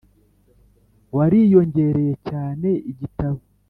Wariyongereye cyane igitabo